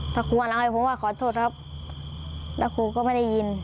แล้วครูหันเอาให้ผมว่าขอโทษครับแล้วครูก็ไม่ได้ยิน